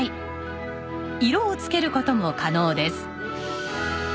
色をつける事も可能です。